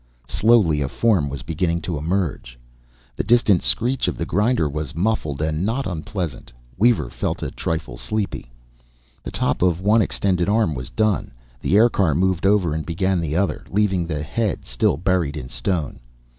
Slowly a form was beginning to emerge. The distant screech of the grinder was muffled and not unpleasant. Weaver felt a trifle sleepy. The top of one extended arm was done. The aircar moved over and began the other, leaving the head still buried in stone.